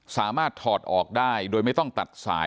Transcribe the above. ถอดออกได้โดยไม่ต้องตัดสาย